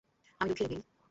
আমি দুঃখিত, গিল।